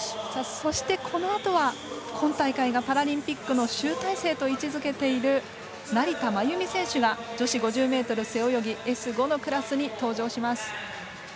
そして、このあとは今大会がパラリンピックの集大成と位置づけている成田真由美選手が女子５０ｍ背泳ぎＳ５のクラスに登場します。